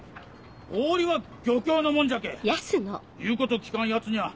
氷は漁協のもんじゃけぇ言うこと聞かんヤツにゃ